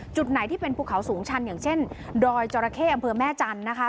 จุดไหนที่เป็นภูเขาสูงชันอย่างเช่นดอยจราเข้อำเภอแม่จันทร์นะคะ